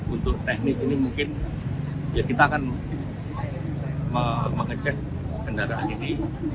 untuk teknis ini mungkin ya kita akan mengecek kendaraan ini